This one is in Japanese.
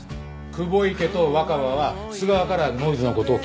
久保池と若葉は須川からノイズの事を聞いたそうです。